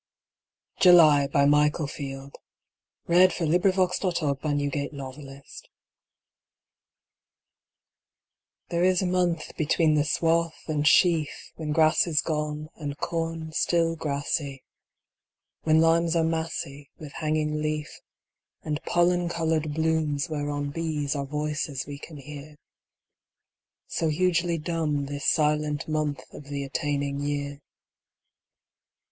mes call Upon our love, and the long echoes fall. Michael Field July THERE is a month between the swath and sheaf When grass is gone And corn still grassy; When limes are massy With hanging leaf, And pollen coloured blooms whereon Bees are voices we can hear, So hugely dumb This silent month of the attaining year.